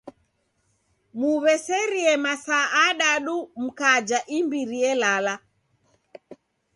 Muw'eserie masaa adadu mkaja imbiri elala.